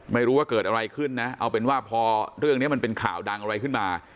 ไม่รู้ว่าเกิดอะไรขึ้นนะเอาเป็นว่าพอเรื่องนี้มันเป็นข่าวดังอะไรขึ้นมา